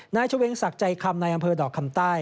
เฉวงศักดิ์ใจคำในอำเภอดอกคำใต้